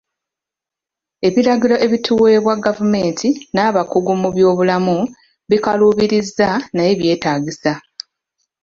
Ebiragiro ebituweebwa gavumenti n'abakugu mu by'obulammu bikaluubiriza naye byetaagisa.